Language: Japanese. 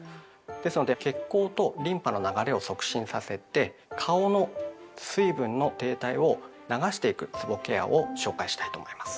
ですので血行とリンパの流れを促進させて顔の水分の停滞を流していくつぼケアを紹介したいと思います。